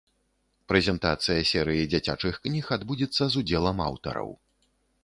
Прэзентацыя серыі дзіцячых кніг адбудзецца з удзелам аўтараў.